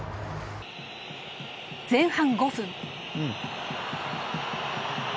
前半５分。